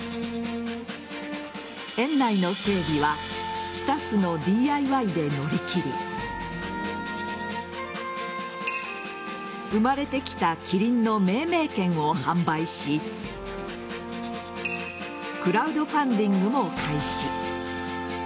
園内の整備はスタッフのＤＩＹで乗り切り生まれてきたキリンの命名権を販売しクラウドファンディングも開始。